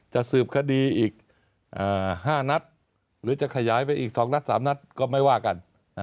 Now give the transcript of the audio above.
จะสืบคดีอีก๕นัดหรือจะขยายไปอีก๒นัด๓นัดก็ไม่ว่ากัน